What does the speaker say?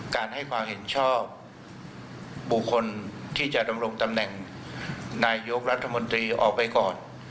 ให้ความเห็นชอบบุคคลที่จะดำรงตำแหน่งนายกรัฐมนตรีออกไปก่อน